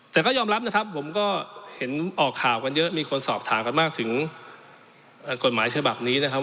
แต่ก็ยอมรับนะครับผมก็เห็นออกข่าวกันเยอะมีคนสอบถามกันมากถึงกฎหมายฉบับนี้นะครับ